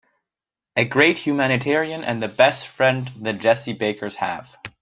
A great humanitarian and the best friend the Jessie Bakers have.